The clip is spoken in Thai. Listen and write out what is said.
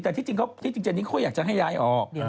แต่คุณเจนนี่เขาอยากจะให้ยายออก